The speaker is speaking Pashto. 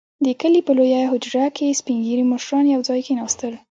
• د کلي په لويه حجره کې سپين ږيري مشران يو ځای کښېناستل.